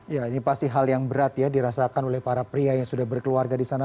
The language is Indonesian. ya ini pasti hal yang berat ya dirasakan oleh para pria yang sudah berkeluarga di sana